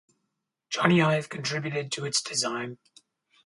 Jony Ive contributed to its design.